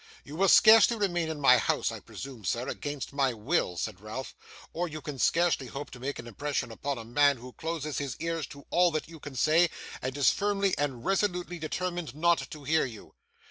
'You will scarcely remain in my house, I presume, sir, against my will,' said Ralph; 'or you can scarcely hope to make an impression upon a man who closes his ears to all that you can say, and is firmly and resolutely determined not to hear you.